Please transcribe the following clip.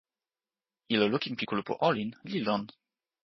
ilo lukin pi kulupu olin li lon.